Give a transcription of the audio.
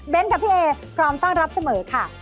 กับพี่เอพร้อมต้อนรับเสมอค่ะ